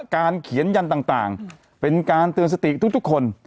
เขียนยันต่างเป็นการเตือนสติทุกคน